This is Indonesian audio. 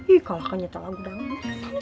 ii kalah kan nyata lagu dahulu